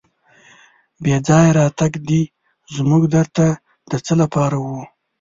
بې ځایه راتګ دې زموږ در ته د څه لپاره و.